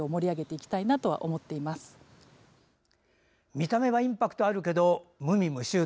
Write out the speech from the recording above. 見た目はインパクトがあるけど無味無臭。